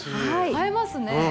映えますよね。